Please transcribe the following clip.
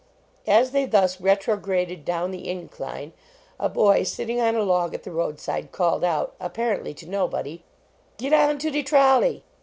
As they thus retrograded down the incline, a boy sitting on a log at the roadside called out, apparently to nobody : "Git on to de trolley!"